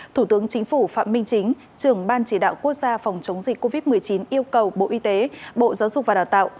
thủ tướng chính phủ phạm minh chính trưởng ban chỉ đạo quốc gia phòng chống dịch covid một mươi chín yêu cầu bộ y tế bộ giáo dục và đào tạo